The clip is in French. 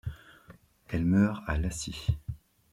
Elle meurt à Iaşi.